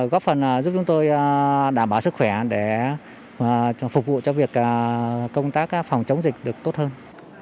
góp phần giúp chúng tôi đảm bảo sức khỏe để phục vụ cho việc công tác phòng chống dịch được tốt hơn